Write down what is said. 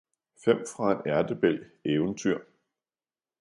Fem fra en ærtebælg Eventyr